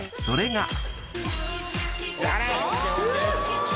［それが］